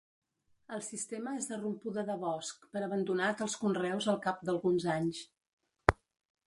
El sistema és de rompuda de bosc, per abandonat els conreus al cap d'alguns anys.